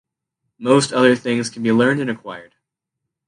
Most other things can be learned and acquired.